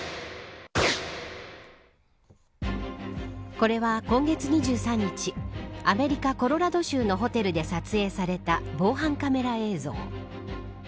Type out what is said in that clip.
これは今月２３日アメリカ・コロラド州のホテルで撮影された防犯カメラ映像。